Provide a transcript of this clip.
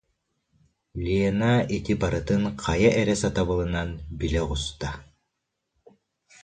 Лена итини барытын хайа эрэ сатабылынан билэ оҕуста